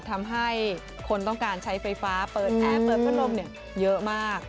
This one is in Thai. ทำให้คนต้องการใช้ไฟฟ้าเปิดแอร์เปิดพัดลมเยอะมาก